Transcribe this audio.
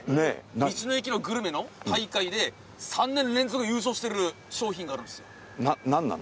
道の駅のグルメの大会で３年連続優勝してる商品があるんですよ。